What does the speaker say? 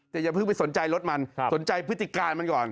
แต่อย่าเพิ่งไปสนใจรถมันสนใจพฤติการมันก่อน